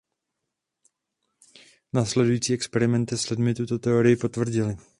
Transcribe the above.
Následující experimenty s lidmi tuto teorii potvrdily.